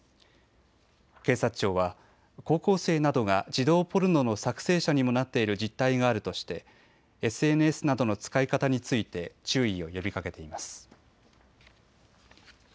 警察庁は高校生などが児童ポルノの作成者にもなっている実態があるとしてＳＮＳなどの使い方について注意を呼びかけています。